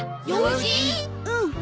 うん。